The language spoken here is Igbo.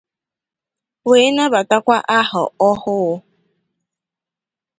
wee nabatakwa ahọ ọhụụ